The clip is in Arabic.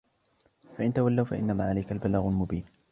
فَإِنْ تَوَلَّوْا فَإِنَّمَا عَلَيْكَ الْبَلَاغُ الْمُبِينُ